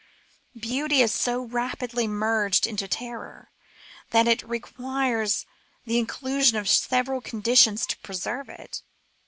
Beauty is so rapidly merged into terror, that it requires the inclu sion of several conditions to preserve it.